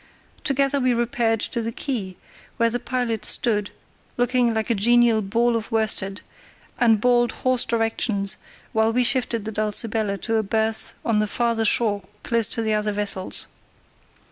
Together we repaired to the quay, where the pilot stood, looking like a genial ball of worsted, and bawled hoarse directions while we shifted the Dulcibella to a berth on the farther shore close to the other vessels.